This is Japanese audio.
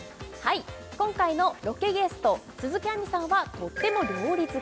今日のロケゲスト鈴木亜美さんはとっても料理好き